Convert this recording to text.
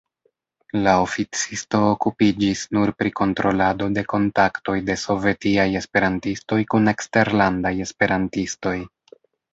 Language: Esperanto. La oficisto okupiĝis nur pri kontrolado de kontaktoj de sovetiaj esperantistoj kun eksterlandaj esperantistoj.